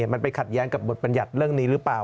มันไปขัดแย้งกับบทบรรยัติเรื่องนี้หรือเปล่า